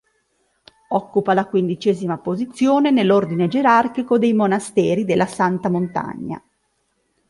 Occupa la quindicesima posizione nell'ordine gerarchico dei monasteri della "Santa Montagna".